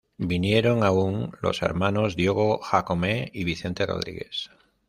Vinieron aún los hermanos Diogo Jácome y Vicente Rodrigues.